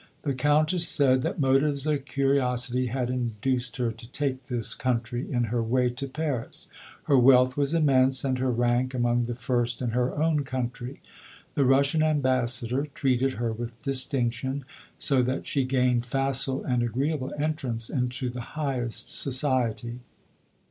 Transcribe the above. The Countess said that mo tives of curiosity had induced her to take this country in her way to Paris. Her wealth was immense, and her rank among the first in her own country. The Russian ambassador treated her with distinction, so that she gained facile and agreeable entrance into the highest society.